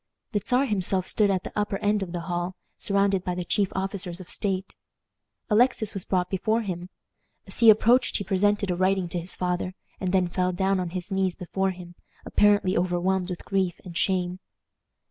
The Czar himself stood at the upper end of the hall, surrounded by the chief officers of state. Alexis was brought before him. As he approached he presented a writing to his father, and then fell down on his knees before him, apparently overwhelmed with grief and shame.